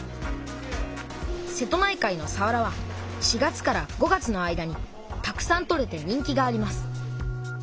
瀬戸内海のさわらは４月から５月の間にたくさん取れて人気があります。